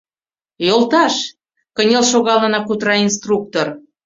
— Йолташ, — кынел шогалынак кутыра инструктор.